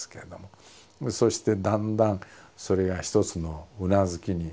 そしてだんだんそれが一つのうなずきになってくるわけですね。